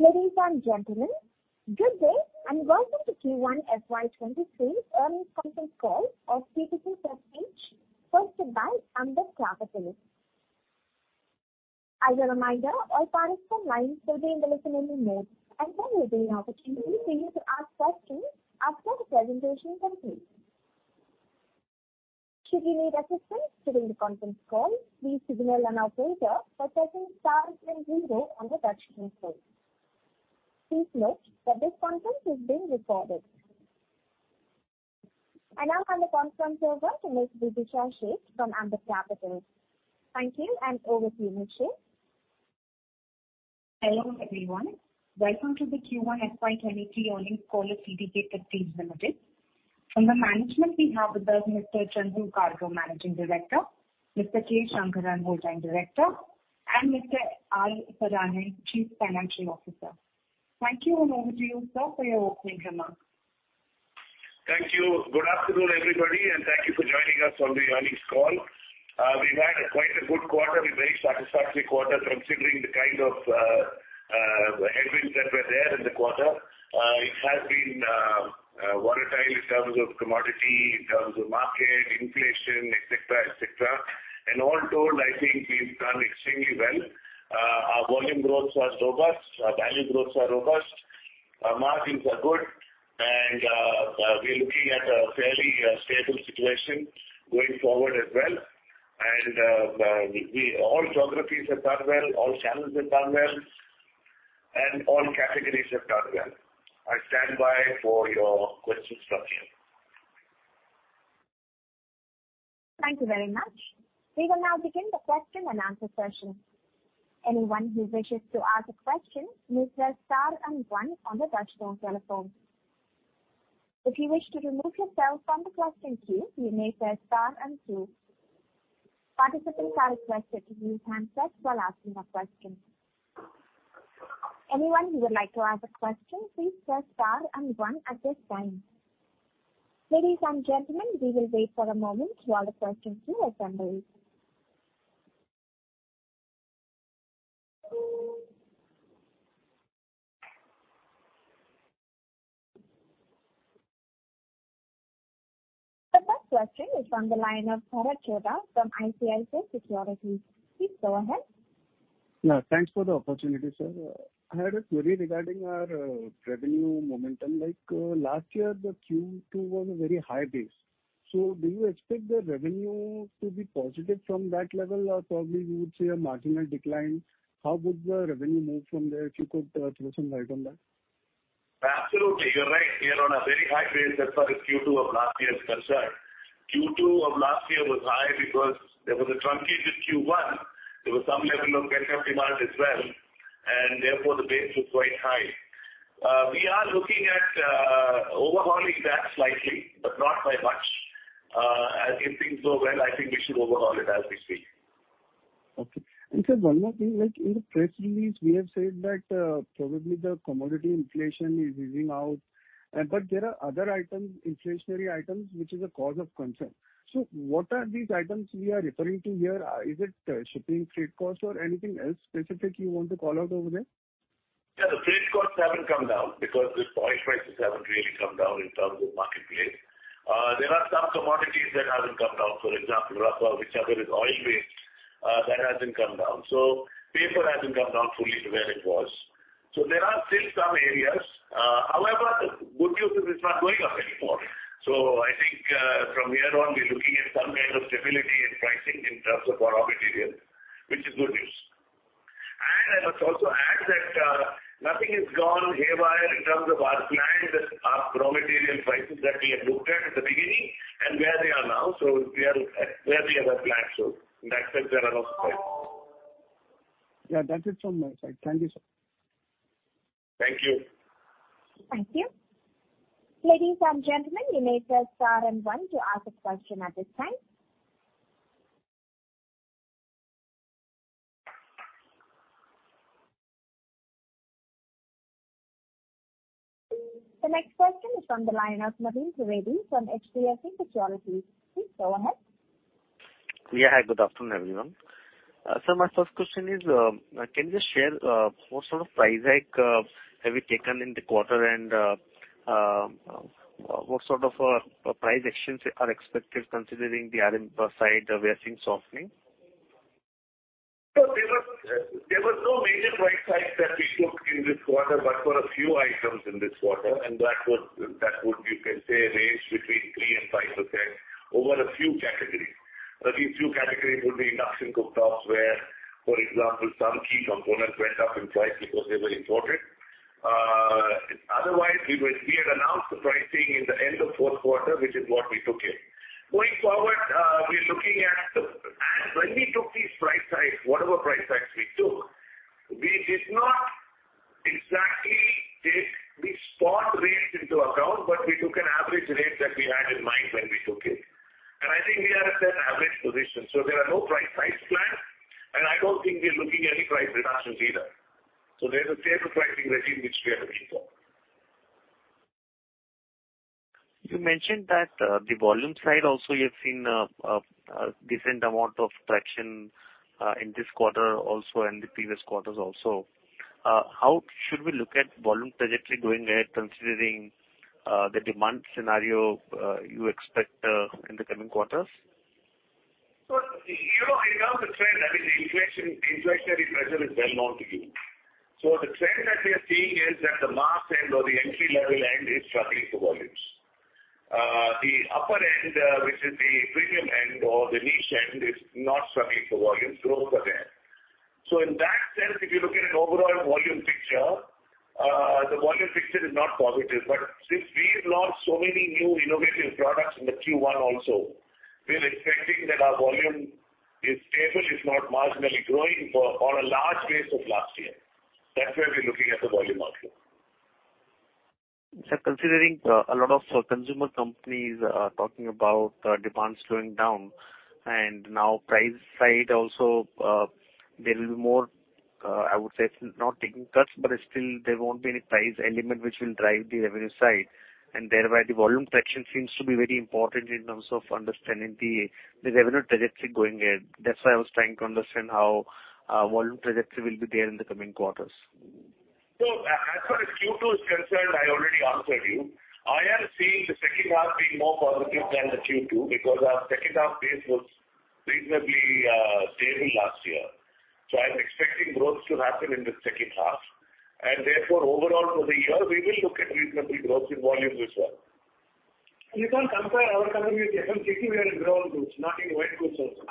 Ladies and gentlemen, good day and welcome to Q1 FY2023 Earnings Conference Call of TTK Prestige, hosted by Ambit Capital. As a reminder, all participants are in full screen mode, and there will be an opportunity for you to ask questions after the presentation is complete. Should you need assistance during the conference call, please signal on our filter by pressing *0 on the touchscreen screen. Please note that this conference is being recorded. Now I'll hand the conference over to Ms. Videesha Sheth from Ambit Capital. Thank you, and over to you, Ms. Sheth. Hello everyone. Welcome to the Q1 FY2023 Earnings Call of TTK Prestige Limited. From the management, we have with us Mr. Chandru Kalro, Managing Director, Mr. K. Shankaran, Whole Time Director, and Mr. R. Saranyan, Chief Financial Officer. Thank you, and over to you, sir, for your opening remarks. Thank you. Good afternoon, everybody, and thank you for joining us on the earnings call. We've had quite a good quarter, a very satisfactory quarter considering the kind of headwinds that were there in the quarter. It has been volatile in terms of commodity, in terms of market, inflation, etc., etc., and all told, I think we've done extremely well. Our volume growth was robust, our value growth was robust, our margins are good, and we're looking at a fairly stable situation going forward as well, and all geographies have done well, all channels have done well, and all categories have done well. I stand by for your questions from here. Thank you very much. We will now begin the question and answer session. Anyone who wishes to ask a question may press *1 on the touchscreen telephone. If you wish to remove yourself from the question queue, you may press *2. Participants are requested to use handsets while asking a question. Anyone who would like to ask a question, please press *1 at this time. Ladies and gentlemen, we will wait for a moment while the question queue assembles. The first question is from the line of Bharat Chhoda from ICICI Securities. Please go ahead. Yeah, thanks for the opportunity, sir. I had a query regarding our revenue momentum. Like last year, the Q2 was a very high base. So do you expect the revenue to be positive from that level, or probably we would see a marginal decline? How would the revenue move from there if you could throw some light on that? Absolutely, you're right. We are on a very high base as far as Q2 of last year is concerned. Q2 of last year was high because there was a truncated Q1. There was some level of backup demand as well, and therefore the base was quite high. We are looking at overhauling that slightly, but not by much. As if things go well, I think we should overhaul it as we speak. Okay. And sir, one more thing. Like in the press release, we have said that probably the commodity inflation is easing out, but there are other items, inflationary items, which is a cause of concern. So what are these items we are referring to here? Is it shipping freight costs or anything else specific you want to call out over there? Yeah, the freight costs haven't come down because the oil prices haven't really come down in terms of marketplace. There are some commodities that haven't come down. For example, rubber, whichever is oil-based, that hasn't come down. So paper hasn't come down fully to where it was. So there are still some areas. However, the good news is it's not going up anymore. So I think from here on, we're looking at some kind of stability in pricing in terms of our raw materials, which is good news. And I must also add that nothing has gone haywire in terms of our plan, the raw material prices that we had looked at at the beginning and where they are now. So we are at where we have had planned. So in that sense, there are no surprises. Yeah, that's it from my side. Thank you, sir. Thank you. Thank you. Ladies and gentlemen, you may press *1 to ask a question at this time. The next question is from the line of Naveen Trivedi from HDFC Securities. Please go ahead. Yeah, hi, good afternoon, everyone. Sir, my first question is, can you just share what sort of price hike have you taken in the quarter and what sort of price actions are expected considering the RM side we are seeing softening? There were no major price hikes that we took in this quarter, but for a few items in this quarter, and that would, you can say, range between 3% and 5% over a few categories. These few categories would be induction cooktops, where, for example, some key components went up in price because they were imported. Otherwise, we had announced the pricing in the end of fourth quarter, which is what we took it. Going forward, we're looking at the. And when we took these price hikes, whatever price hikes we took, we did not exactly take the spot rates into account, but we took an average rate that we had in mind when we took it. And I think we are at that average position. So there are no price hikes planned, and I don't think we are looking at any price reductions either. There's a stable pricing regime which we are looking for. You mentioned that the volume side also you have seen a decent amount of correction in this quarter also and the previous quarters also. How should we look at volume trajectory going ahead considering the demand scenario you expect in the coming quarters? You know in terms of trend, I mean, the inflationary pressure is well known to you. So the trend that we are seeing is that the mass end or the entry-level end is struggling for volumes. The upper end, which is the premium end or the niche end, is not struggling for volumes, growth for them. So in that sense, if you look at an overall volume picture, the volume picture is not positive. But since we've launched so many new innovative products in the Q1 also, we're expecting that our volume is stable, if not marginally growing, on a large base of last year. That's why we're looking at the volume outlook. Sir, considering a lot of consumer companies are talking about demand slowing down, and now price side also, there will be more, I would say, not taking cuts, but still there won't be any price element which will drive the revenue side, and thereby, the volume correction seems to be very important in terms of understanding the revenue trajectory going ahead. That's why I was trying to understand how volume trajectory will be there in the coming quarters. As far as Q2 is concerned, I already answered you. I am seeing the second half being more positive than the Q2 because our second half base was reasonably stable last year. I'm expecting growth to happen in the second half. Therefore, overall for the year, we will look at reasonable growth in volume as well. You can't compare our company with FMCG. We are in brown goods, not in white goods also.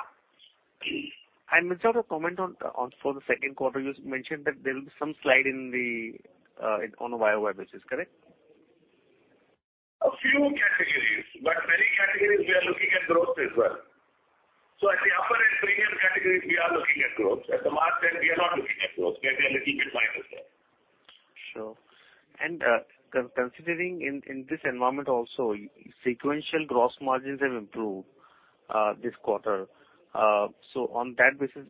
Just a comment on for the second quarter, you mentioned that there will be some slide on the YOY basis, correct? A few categories, but many categories we are looking at growth as well. So at the upper and premium categories, we are looking at growth. At the mass end, we are not looking at growth. Maybe a little bit minor growth. Sure. And considering in this environment also, sequential gross margins have improved this quarter. So on that basis,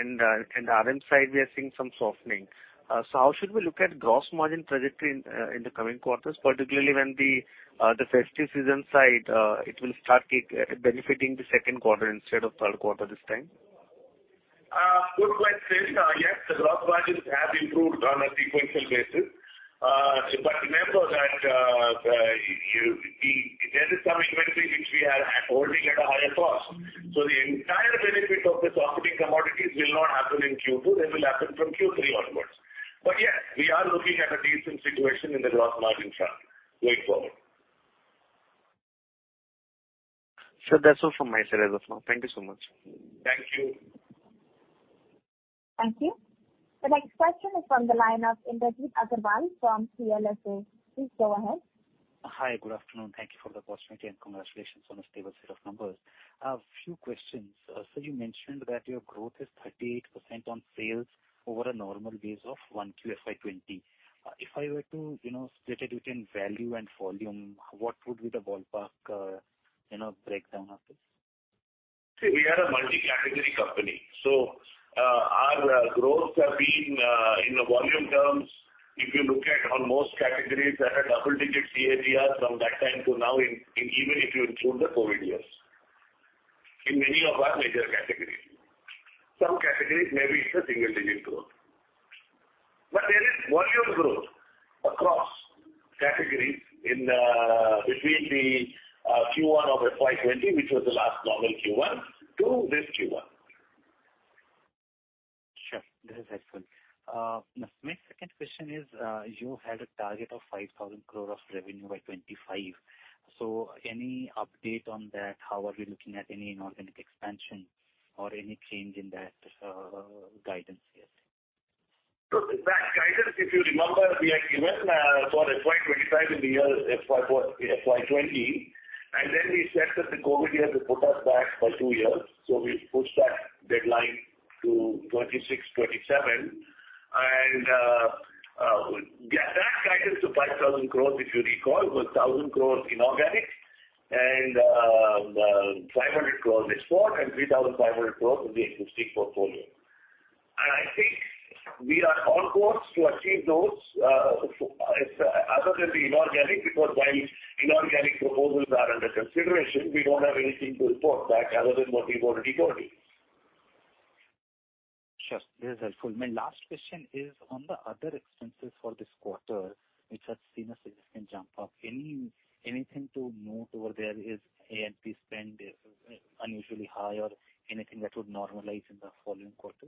and RM side, we are seeing some softening. So how should we look at gross margin trajectory in the coming quarters, particularly when the festive season side will start benefiting the second quarter instead of third quarter this time? Good question. Yes, the gross margins have improved on a sequential basis. But remember that there is some inventory which we are holding at a higher cost. So the entire benefit of the softening commodities will not happen in Q2. That will happen from Q3 onwards. But yes, we are looking at a decent situation in the gross margin front going forward. Sir, that's all from my side as of now. Thank you so much. Thank you. Thank you. The next question is from the line of Indrajit Agarwal from CLSA. Please go ahead. Hi, good afternoon. Thank you for the question, and congratulations on a stable set of numbers. A few questions. Sir, you mentioned that your growth is 38% on sales over a normal base of 1Q FY2020. If I were to split it between value and volume, what would be the ballpark breakdown of this? See, we are a multi-category company. So our growth has been in the volume terms, if you look at on most categories, at a double-digit CAGR from that time to now, even if you include the COVID years, in many of our major categories. Some categories may be in the single-digit growth. But there is volume growth across categories between the Q1 of FY2020, which was the last normal Q1, to this Q1. Sure. This is helpful. My second question is, you had a target of 5,000 crores of revenue by 2025. So any update on that? How are we looking at any inorganic expansion or any change in that guidance yet? That guidance, if you remember, we had given for FY2025 in the year FY2020, and then we said that the COVID year would put us back by two years. So we pushed that deadline to 2026, 2027. And that guidance of 5,000 crores, if you recall, was 1,000 crores inorganic and 500 crores export and 3,500 crores in the domestic portfolio. And I think we are on course to achieve those other than the inorganic because while inorganic proposals are under consideration, we don't have anything to report back other than what we've already told you. Sure. This is helpful. My last question is on the other expenses for this quarter, which has seen a significant jump up. Anything to note over there is A&P spend unusually high or anything that would normalize in the following quarters?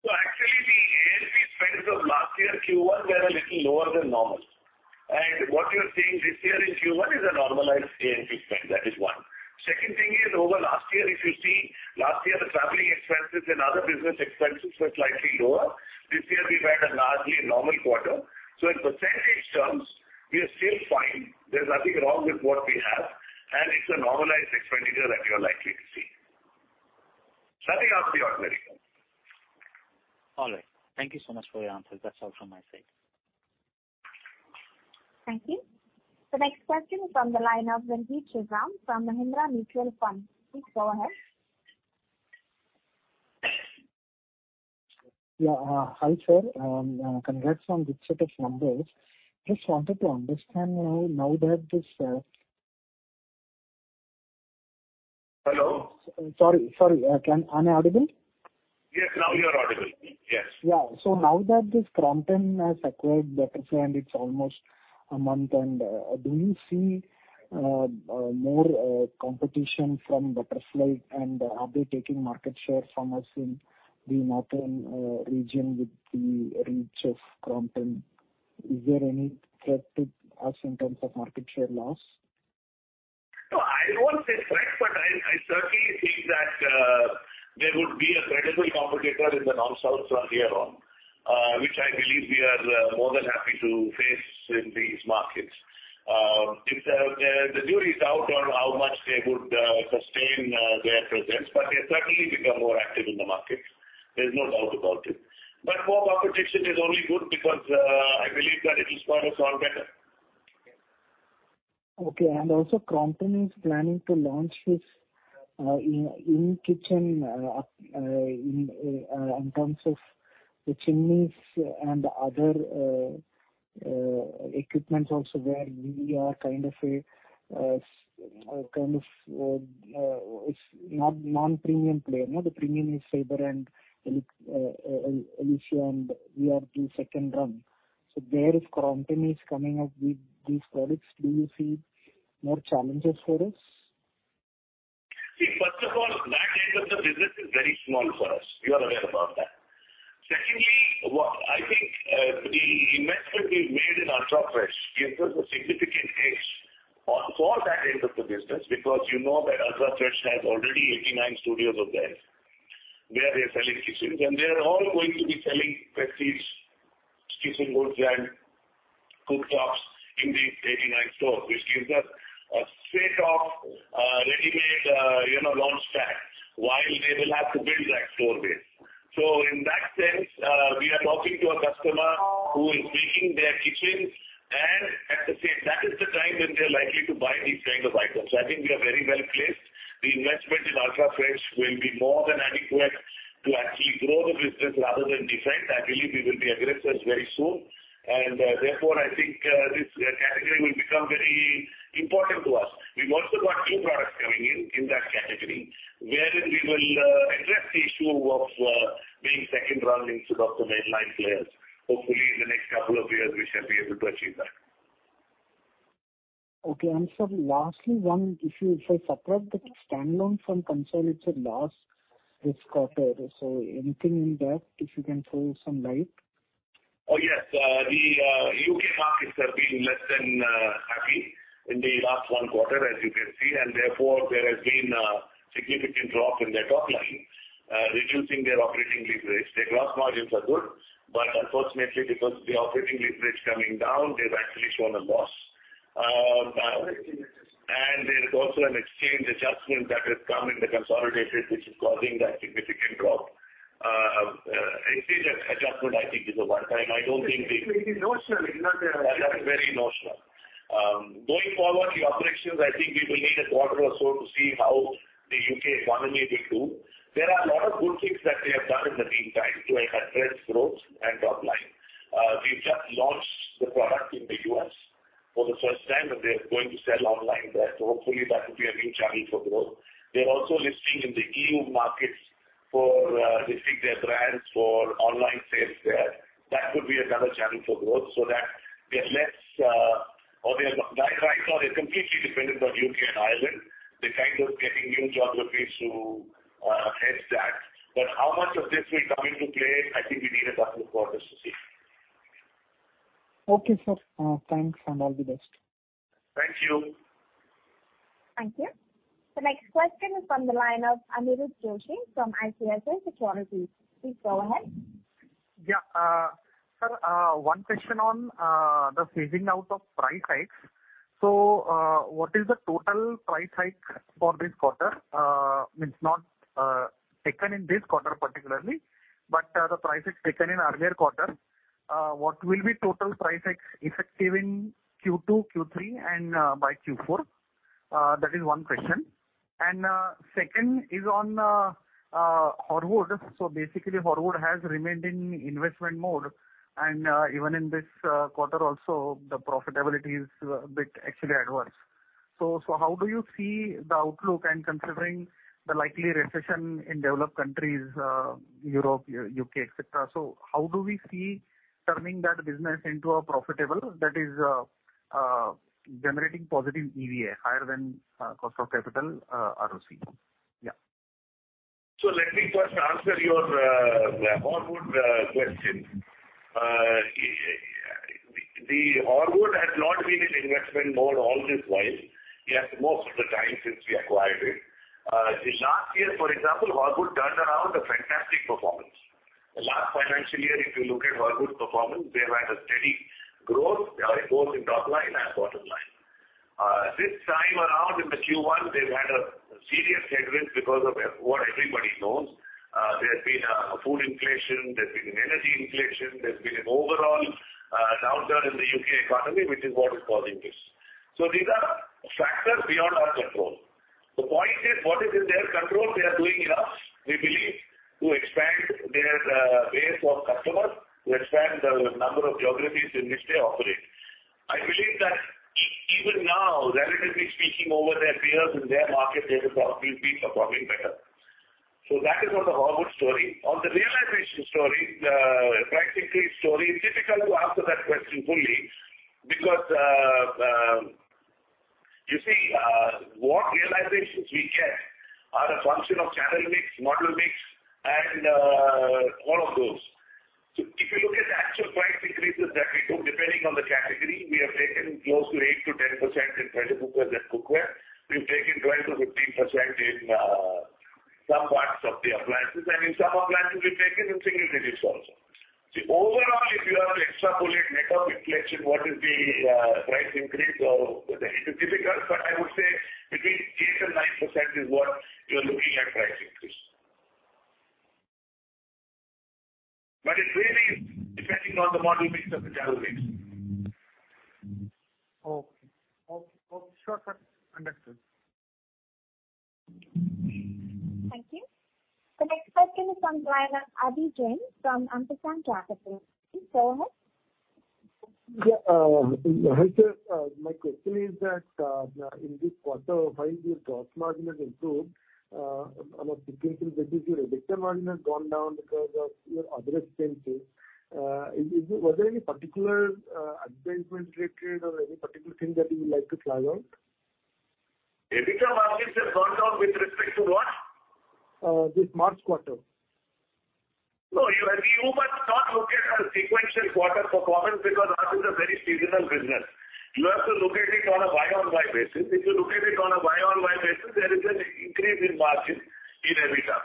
Actually, the A&P spend of last year, Q1, was a little lower than normal. What you're seeing this year in Q1 is a normalized A&P spend. That is one. Second thing is, over last year, if you see, last year, the traveling expenses and other business expenses were slightly lower. This year, we've had a largely normal quarter. In percentage terms, we are still fine. There's nothing wrong with what we have, and it's a normalized expenditure that you're likely to see. Nothing out of the ordinary. All right. Thank you so much for your answers. That's all from my side. Thank you. The next question is from the line of Ranjith Sivaram from Mahindra Mutual Fund. Please go ahead. Yeah, hi, sir. Congrats on this set of numbers. Just wanted to understand now that this... Hello? Sorry, sorry. Can I hear you? Yes, now you're audible. Yes. Yeah. So now that this Crompton has acquired Butterfly, and it's almost a month, do you see more competition from Butterfly, and are they taking market share from us in the northern region with the reach of Crompton? Is there any threat to us in terms of market share loss? No, I don't want to say threat, but I certainly think that there would be a credible competitor in the north-south front here on, which I believe we are more than happy to face in these markets. The jury is out on how much they would sustain their presence, but they certainly become more active in the market. There's no doubt about it. But more competition is only good because I believe that it will spoil us all better. Okay. And also, Crompton is planning to launch its in-kitchen in terms of the chimneys and other equipment also where we are kind of a non-premium player. The premium is Faber and Elica, and we are the second rung. So there is Crompton coming up with these products. Do you see more challenges for us? See, first of all, that end of the business is very small for us. You are aware about that. Secondly, I think the investment we've made in Ultrafresh gives us a significant edge for that end of the business because you know that Ultrafresh has already 89 studios of theirs where they're selling kitchens, and they are all going to be selling Prestige kitchen goods and cooktops in these 89 stores, which gives us a set of ready-made launch pad while they will have to build that store base. So in that sense, we are talking to a customer who is making their kitchens and at the same time—that is the time when they're likely to buy these kinds of items. I think we are very well placed. The investment in Ultrafresh will be more than adequate to actually grow the business rather than debt. I believe we will be aggressors very soon, and therefore, I think this category will become very important to us. We've also got new products coming in in that category wherein we will address the issue of being second run instead of the mainline players. Hopefully, in the next couple of years, we shall be able to achieve that. Okay, and sir, lastly, if I separate the standalone from consolidated loss this quarter, so anything in depth if you can throw some light? Oh, yes. The U.K. markets have been less than happy in the last one quarter, as you can see, and therefore, there has been a significant drop in their top line, reducing their operating leverage. Their gross margins are good, but unfortunately, because the operating leverage is coming down, they've actually shown a loss. And there is also an exchange adjustment that has come in the consolidated, which is causing that significant drop. Exchange adjustment, I think, is a one-time. I don't think the— It's notional. It's not. That's very notional. Going forward, the operations, I think we will need a quarter or so to see how the U.K. economy will do. There are a lot of good things that they have done in the meantime to address growth and top line. They've just launched the product in the U.S. for the first time, and they're going to sell online there. So hopefully, that would be a new channel for growth. They're also listing in the E.U. markets, listing their brands for online sales there. That would be another channel for growth so that they're less, or they're right now, they're completely dependent on U.K. and Ireland. They're kind of getting new geographies to hedge that. But how much of this will come into play, I think we need a couple of quarters to see. Okay, sir. Thanks, and all the best. Thank you. Thank you. The next question is from the line of Aniruddha Joshi from ICICI Securities. Please go ahead. Yeah. Sir, one question on the phasing out of price hikes. So what is the total price hike for this quarter? It's not taken in this quarter particularly, but the price is taken in earlier quarter. What will be total price hikes effective in Q2, Q3, and by Q4? That is one question. And second is on Horwood. So basically, Horwood has remained in investment mode, and even in this quarter also, the profitability is a bit actually adverse. So how do you see the outlook and considering the likely recession in developed countries, Europe, U.K., etc.? So how do we see turning that business into a profitable that is generating positive EVA, higher than cost of capital ROC? Yeah. So let me first answer your Horwood question. The Horwood has not been in investment mode all this while. Yes, most of the time since we acquired it. Last year, for example, Horwood turned around a fantastic performance. The last financial year, if you look at Horwood's performance, they've had a steady growth both in top line and bottom line. This time around in the Q1, they've had a serious headwind because of what everybody knows. There's been food inflation. There's been energy inflation. There's been an overall downturn in the U.K. economy, which is what is causing this. So these are factors beyond our control. The point is, what is in their control? They are doing enough, we believe, to expand their base of customers, to expand the number of geographies in which they operate. I believe that even now, relatively speaking, over their peers in their market, they've probably been performing better. So that is on the Horwood story. On the realization story, the price increase story, it's difficult to answer that question fully because you see, what realizations we get are a function of channel mix, model mix, and all of those. So if you look at the actual price increases that we do, depending on the category, we have taken close to 8%-10% in pressure cookers and cookware. We've taken 12%-15% in some parts of the appliances, and in some appliances, we've taken in single-digits also. See, overall, if you have to extrapolate net of inflation, what is the price increase? It is difficult, but I would say between 8% and 9% is what you're looking at price increase. But it really is depending on the model mix and the channel mix. Okay. Okay. Sure, sir. Understood. Thank you. The next question is from Aadi Jain from Ampersand Capital. Please go ahead. Yeah. Hi, sir. My question is that in this quarter, while your gross margin has improved, I'm not speaking to the big deal. Every time margin has gone down because of your other expenses. Was there any particular advertisement related or any particular thing that you would like to flag out? Every time margins have gone down with respect to what? This March quarter. No, you must not look at a sequential quarter performance because ours is a very seasonal business. You have to look at it on a YoY basis. If you look at it on a YoY basis, there is an increase in margin in EBIDDA,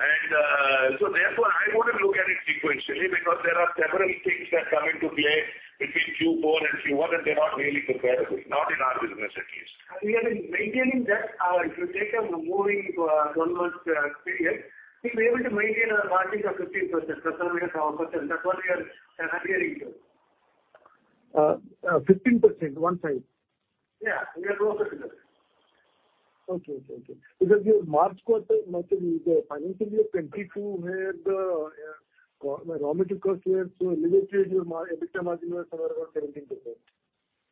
and so therefore, I wouldn't look at it sequentially because there are several things that come into play between Q4 and Q1, and they're not really comparable, not in our business at least. We are maintaining that. If you take a moving 12-month period, we'll be able to maintain our margin of 15%, plus or minus one percent. That's what we are adhering to. 15%, one five? Yeah. We are closer to that. Okay. Because your March quarter, FY2022, where the raw material cost was so elevated, your EBITDA margin was somewhere around 17%.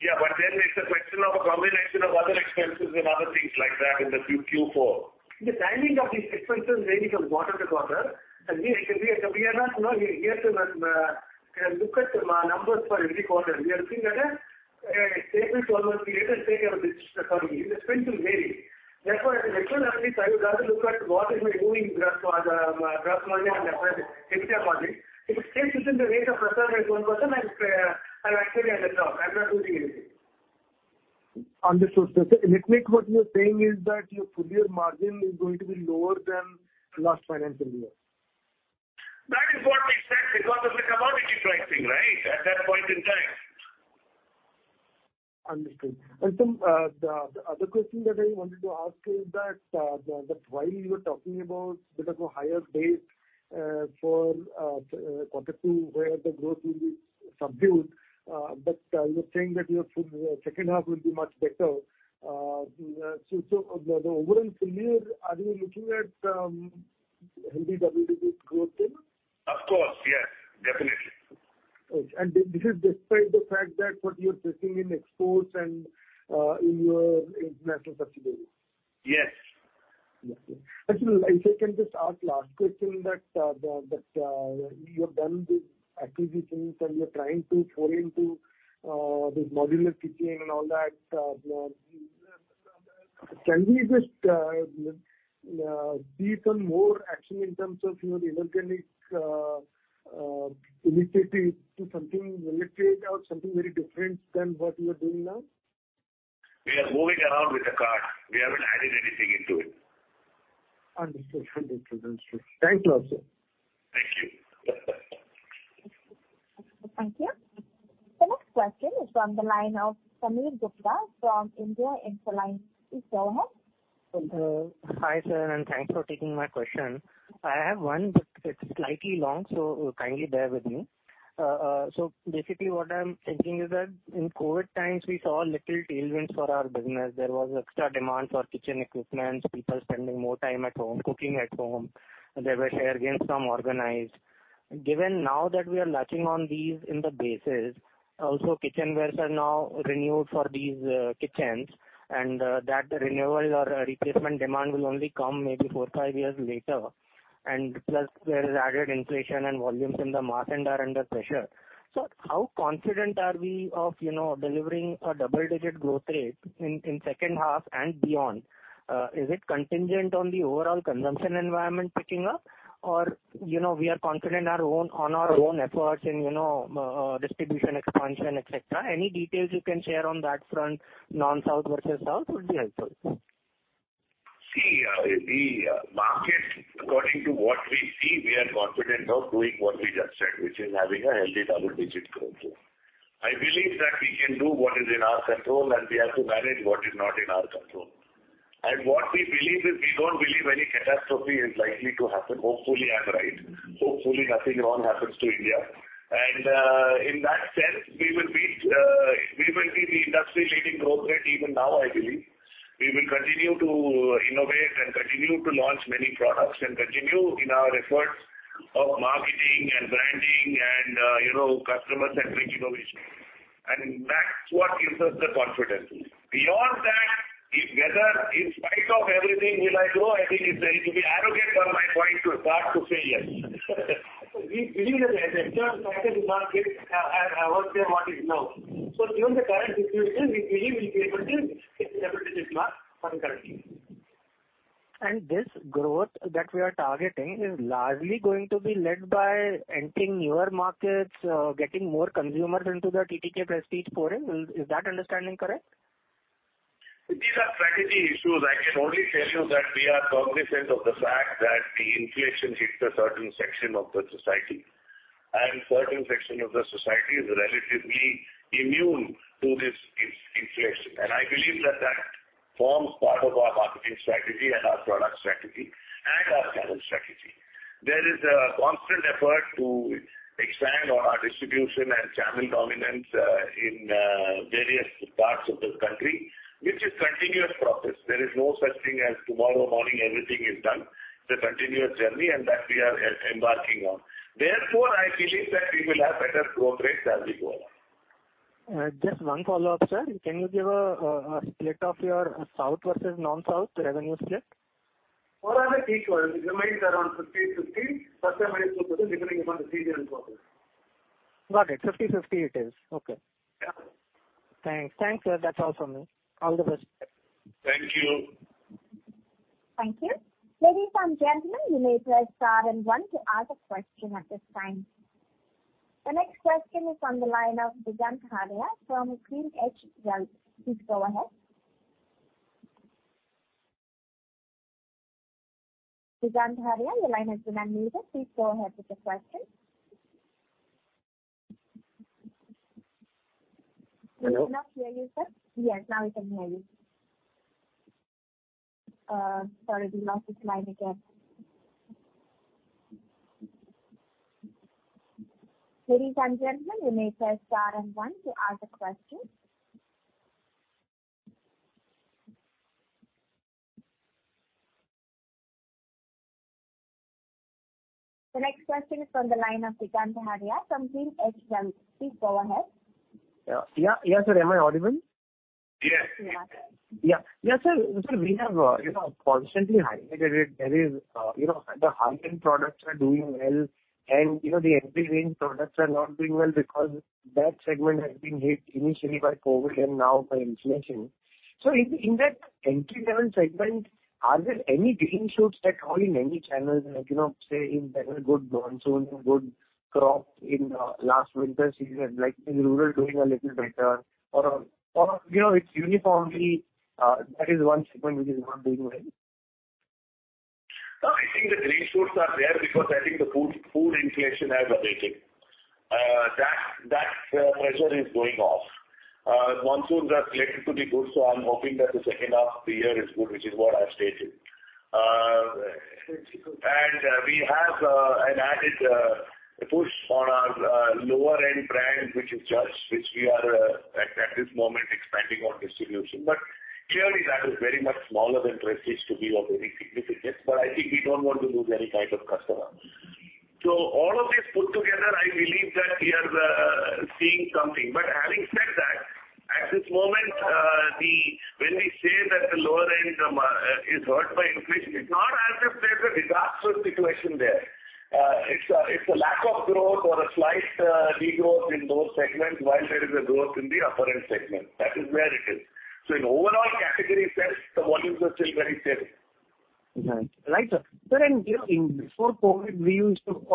Yeah. But then it's a question of a combination of other expenses and other things like that in the Q4. The timing of these expenses varies from quarter to quarter, and we are not here to look at the numbers for every quarter. We are looking at a stable 12-month period and take our decision. Sorry, the spend will vary. Therefore, as an expert analyst, I would rather look at what is my moving gross margin and every time margin. If it stays within the range of plus or minus 1%, I'm actually at par. I'm not losing anything. Understood. So let me make sure what you're saying is that your full year margin is going to be lower than last financial year? That is what makes sense because of the commodity pricing, right, at that point in time. Understood. And sir, the other question that I wanted to ask is that while you were talking about a bit of a higher base for quarter two where the growth will be subdued, but you were saying that your second half will be much better. So the overall full year, are you looking at healthy double-digit growth then? Of course. Yes. Definitely. Okay. And this is despite the fact that what you're taking in exports and in your international subsidiaries? Yes. Yes. And, sir, if I can just ask last question that you have done these acquisitions and you're trying to foray into this modular kitchen and all that, can we just see some more action in terms of your organic initiative to something related or something very different than what you are doing now? We are moving around with the cart. We haven't added anything into it. Understood. Understood. Understood. Thanks a lot, sir. Thank you. Thank you. The next question is from the line of Sameer Gupta from India Infoline. Please go ahead. Hi, sir, and thanks for taking my question. I have one, but it's slightly long, so kindly bear with me. So basically, what I'm thinking is that in COVID times, we saw tailwinds for our business. There was extra demand for kitchen equipment, people spending more time at home, cooking at home, and there were share gains from organized. Given now that we are lapping these high bases, also kitchenware is now renewed for these kitchens, and that renewal or replacement demand will only come maybe four or five years later. And plus, there is added inflation and volumes in the market are under pressure. So how confident are we of delivering a double-digit growth rate in second half and beyond? Is it contingent on the overall consumption environment picking up, or we are confident on our own efforts in distribution expansion, etc.? Any details you can share on that front, non-south versus south, would be helpful? See, the market, according to what we see, we are confident of doing what we just said, which is having a healthy double-digit growth rate. I believe that we can do what is in our control, and we have to manage what is not in our control. And what we believe is we don't believe any catastrophe is likely to happen. Hopefully, I'm right. Hopefully, nothing wrong happens to India. And in that sense, we will beat the industry-leading growth rate even now, I believe. We will continue to innovate and continue to launch many products and continue in our efforts of marketing and branding and customer-centric innovation. And that's what gives us the confidence. Beyond that, whether in spite of everything, will I grow? I think it's very arrogant on my part to start to say yes. We believe that the actual factor does not give our share what is now. So given the current situation, we believe we'll be able to take a double-digit growth for the current year. This growth that we are targeting is largely going to be led by entering newer markets, getting more consumers into the TTK Prestige portal. Is that understanding correct? These are strategy issues. I can only tell you that we are cognizant of the fact that the inflation hits a certain section of the society, and a certain section of the society is relatively immune to this inflation. And I believe that that forms part of our marketing strategy and our product strategy and our channel strategy. There is a constant effort to expand on our distribution and channel dominance in various parts of the country, which is a continuous process. There is no such thing as tomorrow morning everything is done. It's a continuous journey and that we are embarking on. Therefore, I believe that we will have better growth rates as we go along. Just one follow-up, sir. Can you give a split of your south versus non-south revenue split? For us, it equals. It remains around 50-50, plus or minus 2%, depending upon the season and quarter. Got it. 50-50 it is. Okay. Yeah. Thanks. Thanks, sir. That's all from me. All the best. Thank you. Thank you. Ladies and gentlemen, you may press star and one to ask a question at this time. The next question is from the line of Digant Haria from GreenEdge Wealth. Please go ahead. Digant Haria, your line has been unmuted. Please go ahead with your question. Hello? We cannot hear you, sir. Yes, now we can hear you. Sorry, we lost this line again. Ladies and gentlemen, you may press star and one to ask a question. The next question is from the line of Digant Haria from GreenEdge Wealth. Please go ahead. Yeah. Yeah, sir. Am I audible? Yes. Yeah, sir. We have constantly highlighted that the high-end products are doing well, and the entry-range products are not doing well because that segment has been hit initially by COVID and now by inflation. So in that entry-level segment, are there any green shoots that grow in any channel, say, in the good brown goods and good Q4 in the last winter season, like rural doing a little better, or it's uniformly? That is one segment which is not doing well. I think the green shoots are there because I think the food inflation has abated. That pressure is going off. Monsoons are slated to be good, so I'm hoping that the second half of the year is good, which is what I've stated, and we have an added push on our lower-end brand, which is Judge, which we are at this moment expanding on distribution, but clearly, that is very much smaller than Prestige to be of any significance, but I think we don't want to lose any kind of customer. So all of this put together, I believe that we are seeing something, but having said that, at this moment, when we say that the lower end is hurt by inflation, it's not as if there's a disaster situation there. It's a lack of growth or a slight degrowth in those segments while there is a growth in the upper-end segment. That is where it is. So in overall category sense, the volumes are still very steady. Right. Right, sir. Sir, and before COVID, we used to do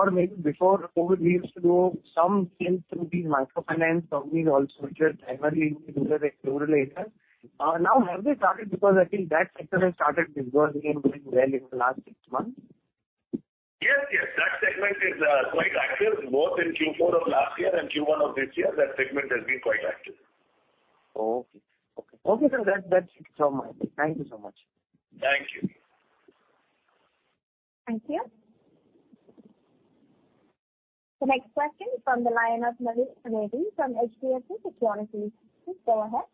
some help through these microfinance companies also which were primarily in the rural areas. Now, have they started? Because I think that sector has started reversing and doing well in the last six months. Yes. Yes. That segment is quite active, both in Q4 of last year and Q1 of this year. That segment has been quite active. Okay, sir. That's it from my side. Thank you so much. Thank you. Thank you. The next question is from the line of Naveen Trivedi from HDFC Securities. Please go ahead.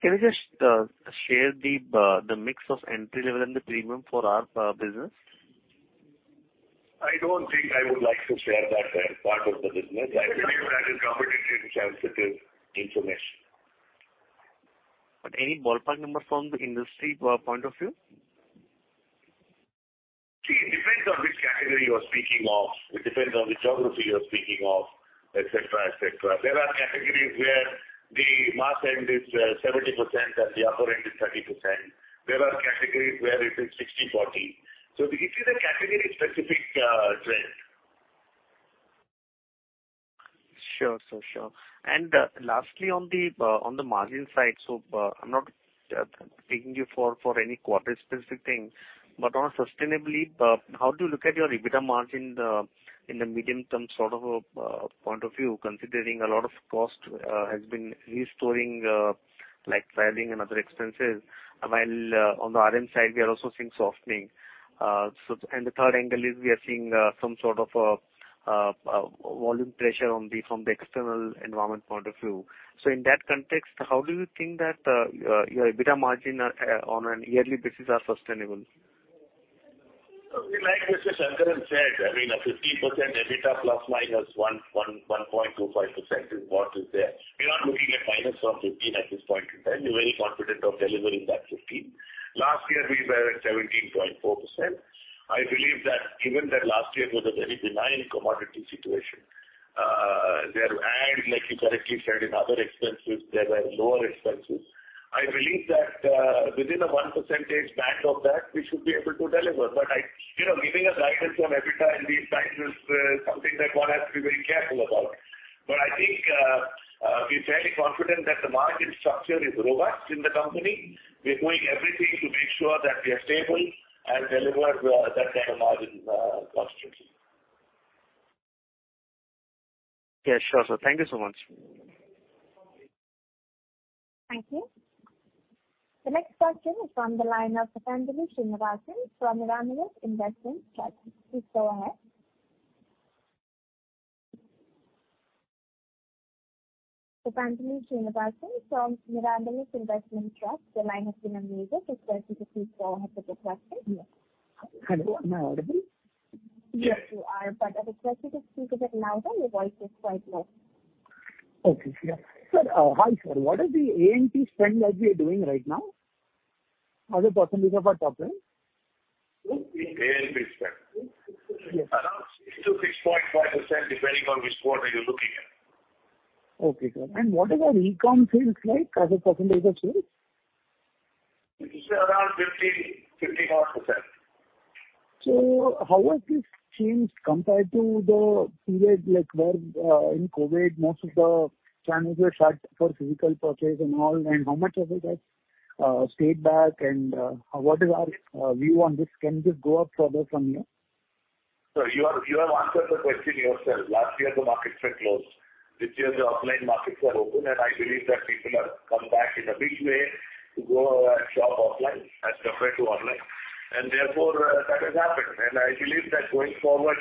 Can you just share the mix of entry-level and the premium for our business? I don't think I would like to share that part of the business. I believe that is competition-sensitive information. But any ballpark number from the industry point of view? See, it depends on which category you are speaking of. It depends on the geography you are speaking of, etc., etc. There are categories where the mass end is 70% and the upper end is 30%. There are categories where it is 60%-40%. So it is a category-specific trend. Sure. Sure. Sure. And lastly, on the margin side, so I'm not taking you for any quarter-specific thing, but on sustainability, how do you look at your EBITDA margin in the medium-term sort of point of view, considering a lot of cost has been rising, like freight and other expenses, while on the RM side, we are also seeing softening? And the third angle is we are seeing some sort of volume pressure from the external environment point of view. So in that context, how do you think that your EBITDA margin on a yearly basis are sustainable? Like Mr. Shankaran said, I mean, a 15% EBITDA plus minus 1.25% is what is there. We are not looking at minus from 15 at this point in time. We're very confident of delivering that 15. Last year, we were at 17.4%. I believe that given that last year was a very benign commodity situation, there are heads, like you correctly said, in other expenses. There are lower expenses. I believe that within a 1% band of that, we should be able to deliver. But giving a guidance on EBITDA in these times is something that one has to be very careful about. But I think we're fairly confident that the margin structure is robust in the company. We are doing everything to make sure that we are stable and deliver that kind of margin constantly. Yeah. Sure. Sure. Thank you so much. Thank you. The next question is from the line of Pathanjali Srinivasan from Mirabilis Investment. Please go ahead. Pathanjali Srinivasan from Mirabilis Investment Trust, the line has been unmuted. Please go ahead with your question. Hello. Am I audible? Yes, you are, but I request you to speak a bit louder. Your voice is quite low. Okay. Yeah. Sir, hi, sir. What is the A&P spend that we are doing right now? As a percentage of our top line? A&P spend? Yes. Around 6%-6.5% depending on which quarter you're looking at. Okay, sir. And what is our e-com sales like as a percentage of sales? It's around 15, 15-odd%. So how has this changed compared to the period where in COVID, most of the channels were shut for physical purchase and all, and how much has it stayed back? And what is our view on this? Can this go up further from here? Sir, you have answered the question yourself. Last year, the markets were closed. This year, the offline markets are open, and I believe that people have come back in a big way to go and shop offline as compared to online. And therefore, that has happened. And I believe that going forward,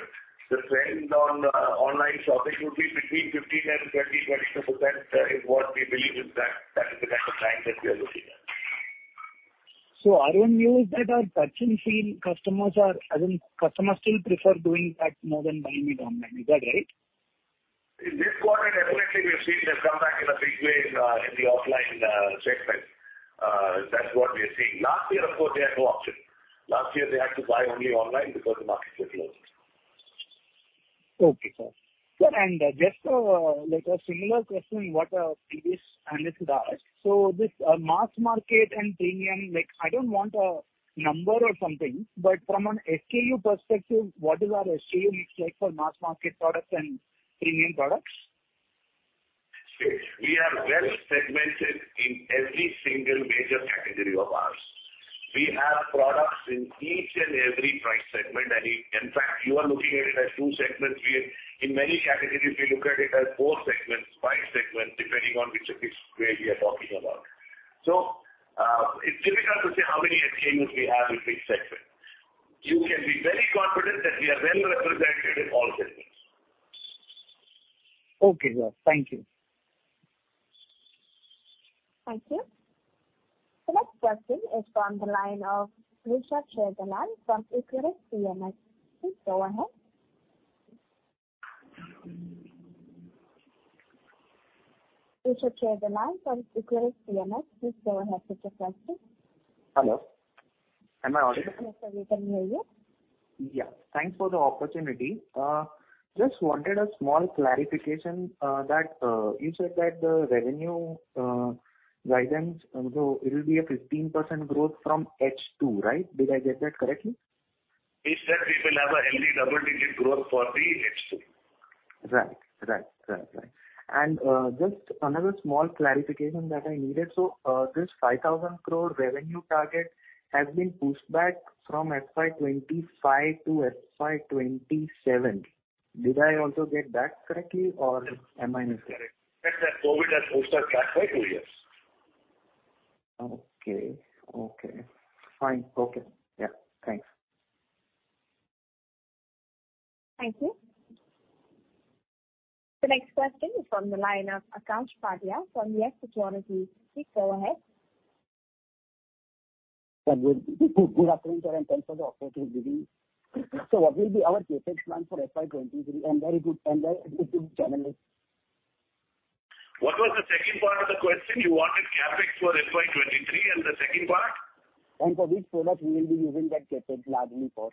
the trend on online shopping would be between 15% and 20%, 22% is what we believe is that. That is the kind of trend that we are looking at. So, are you assuming that our touch-and-feel customers are, I mean, customers still prefer doing that more than buying it online? Is that right? In this quarter, definitely, we have seen them come back in a big way in the offline segment. That's what we are seeing. Last year, of course, they had no option. Last year, they had to buy only online because the markets were closed. Okay, sir. Sir, and just a similar question, what previous analysts would ask. So this mass market and premium, I don't want a number or something, but from an SKU perspective, what is our SKU mix like for mass market products and premium products? We are well segmented in every single major category of ours. We have products in each and every price segment. In fact, you are looking at it as two segments. In many categories, we look at it as four segments, five segments, depending on which way we are talking about. It's difficult to say how many SKUs we have in each segment. You can be very confident that we are well represented in all segments. Okay, sir. Thank you. Thank you. The next question is from the line of Rushabh Sharedalal from Equirus PMS. Please go ahead. Rushabh Sharedalal from Equirus PMS. Please go ahead with your question. Hello. Am I audible? Yes, sir. We can hear you. Yeah. Thanks for the opportunity. Just wanted a small clarification that you said that the revenue guidance, so it will be a 15% growth from H2, right? Did I get that correctly? He said we will have a healthy double-digit growth for the H2. Right. And just another small clarification that I needed. So this 5,000 crore revenue target has been pushed back from FY2025 to FY2027. Did I also get that correctly, or am I mistaken? That COVID has pushed us back for two years. Okay. Okay. Fine. Okay. Yeah. Thanks. Thank you. The next question is from the line of Aakash Pandya from YES Securities. Please go ahead. Good afternoon, sir. And thanks for the opportunity to be with you. So what will be our CapEx plan for FY2023 and very good channels What was the second part of the question? You wanted CapEx for FY2023 and the second part? For which product we will be using that CapEx largely for?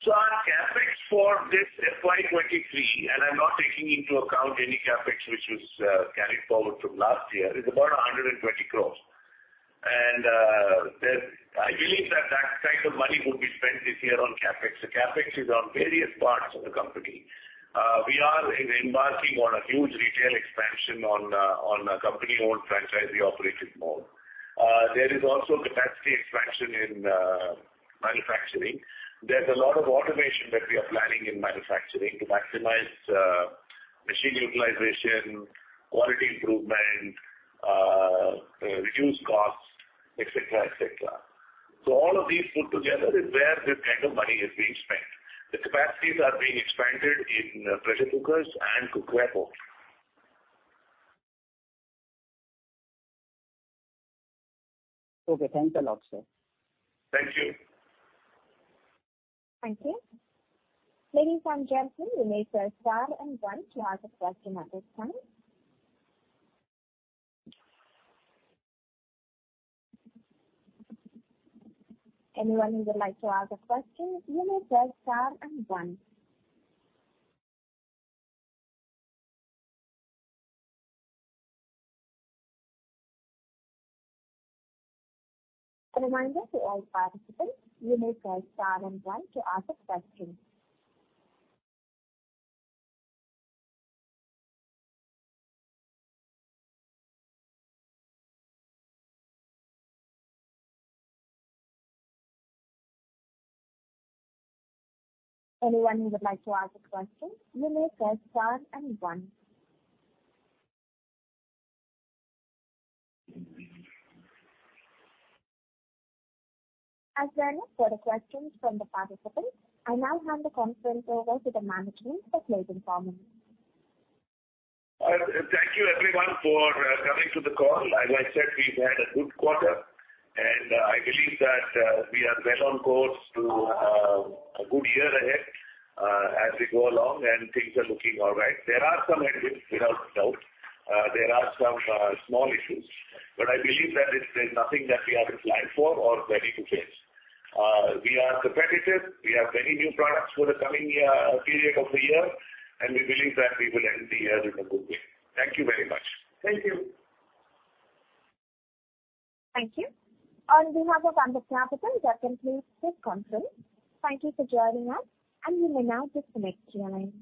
So our CapEx for this FY2023, and I'm not taking into account any CapEx which was carried forward from last year, is about 120 crore. And I believe that that kind of money would be spent this year on CapEx. The CapEx is on various parts of the company. We are embarking on a huge retail expansion on a company-owned franchisee operated mode. There is also capacity expansion in manufacturing. There's a lot of automation that we are planning in manufacturing to maximize machine utilization, quality improvement, reduce costs, etc., etc. So all of these put together is where this kind of money is being spent. The capacities are being expanded in pressure cookers and cookware pots. Okay. Thanks a lot, sir. Thank you. Thank you. Ladies and gentlemen, you may press star and one to ask a question at this time. Anyone who would like to ask a question, you may press star and one. A reminder to all participants, you may press star and one to ask a question. Anyone who would like to ask a question, you may press star and one. As well as further questions from the participants, I now hand the conference over to the management for closing comments. Thank you, everyone, for coming to the call. As I said, we've had a good quarter, and I believe that we are well on course to a good year ahead as we go along, and things are looking all right. There are some headwinds, without doubt. There are some small issues, but I believe that there's nothing that we haven't planned for or ready to face. We are competitive. We have many new products for the coming period of the year, and we believe that we will end the year in a good way. Thank you very much. Thank you. Thank you. On behalf of our representatives, I conclude this conference. Thank you for joining us, and we may now disconnect your line.